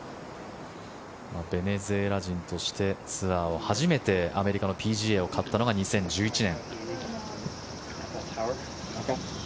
ベネズエラ人としてツアーで初めてアメリカのＰＧＡを勝ったのが２０１１年。